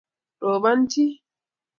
rubon chi